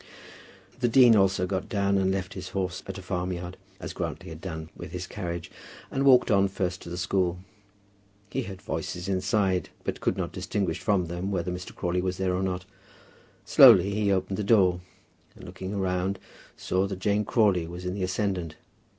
The dean also got down and left his horse at a farm yard, as Grantly had done with his carriage; and walked on first to the school. He heard voices inside, but could not distinguish from them whether Mr. Crawley was there or not. Slowly he opened the door, and looking round saw that Jane Crawley was in the ascendant.